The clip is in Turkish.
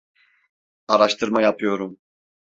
Araştırma yapıyorum.